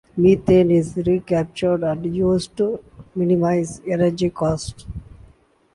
Methane is recaptured and used to minimize energy costs.